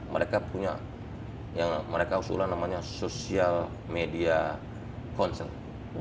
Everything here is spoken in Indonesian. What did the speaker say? mereka punya yang mereka usulan namanya social media concern